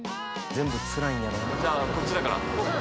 じゃあこっちだから帰るわ。